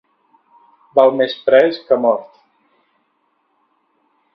Val més pres que mort.